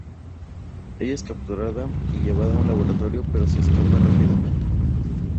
Ella es capturada y llevada a un laboratorio pero se escapa rápidamente.